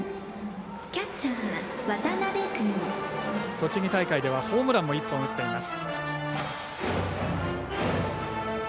栃木大会ではホームランも１本打っています。